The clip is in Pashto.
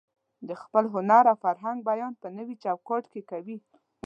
د خپل هنر او فرهنګ بیان په نوي چوکاټ کې کوي.